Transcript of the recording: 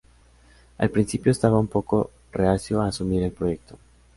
Al principio estaba un poco reacio a asumir el proyecto.